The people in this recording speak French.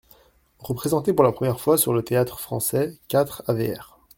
Représentée pour la première fois sur le Théâtre-Français (quatre avr.